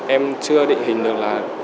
em chưa định hình được là